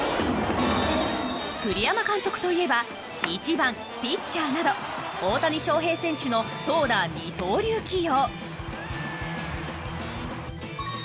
栗山監督といえば１番ピッチャーなど大谷翔平選手の投打二刀流起用。